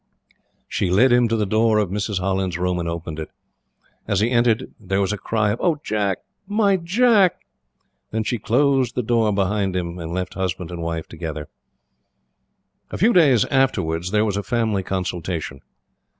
She led him to the door of Mrs. Holland's room, and opened it. As he entered there was a cry of: "Oh Jack! My Jack!" Then she closed it behind him, and left husband and wife together. A few days afterwards, there was a family consultation.